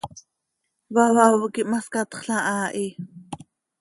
Vaváv quih ma scatxla haa hi.